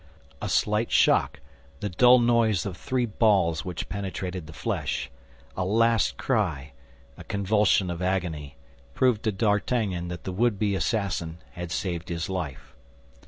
A slight shock, the dull noise of three balls which penetrated the flesh, a last cry, a convulsion of agony, proved to D'Artagnan that the would be assassin had saved his life.